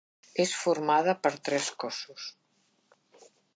És formada per tres cossos.